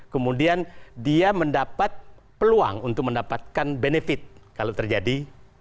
kemudian dia mendapat peluang untuk mendapatkan benefit kalau terjadi